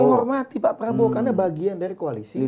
menghormati pak prabowo karena bagian dari koalisi